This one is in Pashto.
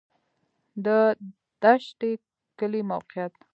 د دشټي کلی موقعیت